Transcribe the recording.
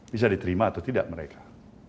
bisa diterima atau tidak mereka